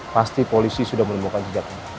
pasti polisi sudah menemukan jejaknya